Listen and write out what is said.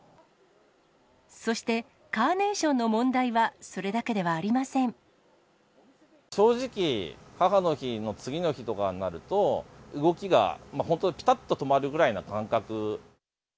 そして、カーネーションの問題は正直、母の日の次の日とかになると、動きが本当ぴたっと止まるぐらいの感覚。